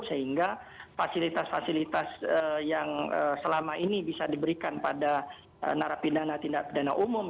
sehingga fasilitas fasilitas yang selama ini bisa diberikan pada narapidana tindak pidana umum